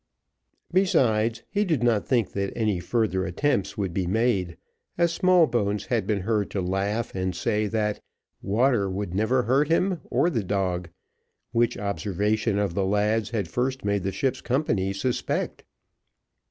"Besides, he did not think that any further attempts would be made, as Smallbones had been heard to laugh and say, 'that water would never hurt him or the dog,' which observation of the lad's had first made the ship's company suspect."